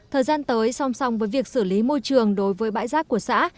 thời gian tới song song với việc xử lý môi trường đối với bãi rác của xã